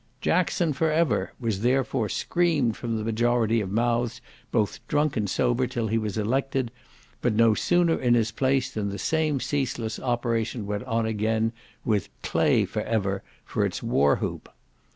"Jackson for ever!" was, therefore, screamed from the majority of mouths, both drunk and sober, till he was elected; but no sooner in his place, than the same ceaseless operation went on again, with "Clay for ever" for its war whoop.